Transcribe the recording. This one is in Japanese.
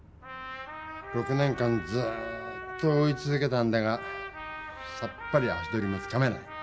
６年間ずっと追いつづけたんだがさっぱり足取りがつかめない。